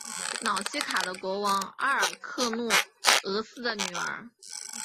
瑙西卡的国王阿尔喀诺俄斯的女儿。